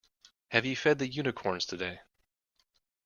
Have you fed the unicorns today?